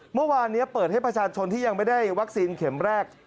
เมื่อวานนี้เปิดให้ประชาชนที่ยังไม่ได้วัคซีนเข็มแรก